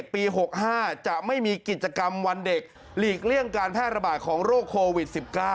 พรีติกเลี่ยงการแพร่ระบาดของโรคโควิด๑๙